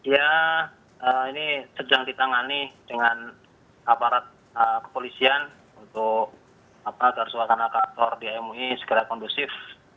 ya ini sejang di tangani dengan aparat kepolisian untuk garis wakana kator di mui sekalian kondusif